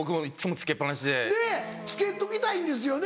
つけときたいんですよね？